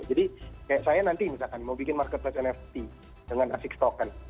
jadi kayak saya nanti misalkan mau bikin marketplace nft dengan asics token